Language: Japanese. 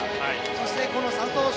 そして、佐藤翔